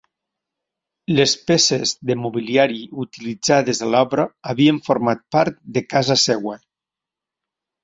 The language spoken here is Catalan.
Les peces de mobiliari utilitzades a l'obra havien format part de casa seva.